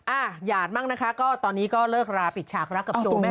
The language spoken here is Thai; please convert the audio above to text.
หยาดมั่งนะคะก็ตอนนี้ก็เลิกราปิดฉากรักกับโจแม่